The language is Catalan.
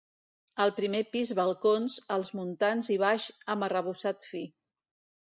Al primer pis balcons, els muntants i baix amb arrebossat fi.